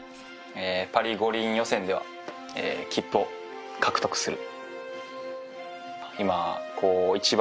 パリ五輪予選では切符を獲得する。